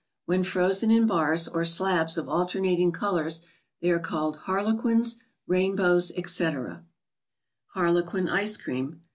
When frozen in bars or slabs of alternating colors, they are called " Harle¬ quins," " Rainbows," etc. HARLEQUIN ICE CREAM.